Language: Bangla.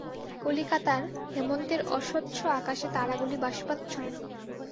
কলিকাতার হেমন্তের অস্বচ্ছ আকাশে তারাগুলি বাষ্পাচ্ছন্ন।